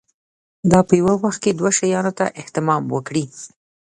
دا په یوه وخت کې دوو شیانو ته اهتمام وکړي.